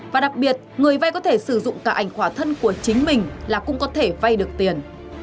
và đặc biệt người vay có thể sử dụng cả ảnh khỏa thân của chính mình là cũng có thể vay được tiền